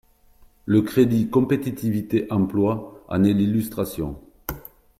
Le crédit compétitivité emploi en est l’illustration.